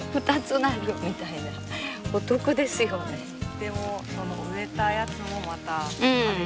でもその植えたやつもまた種になる。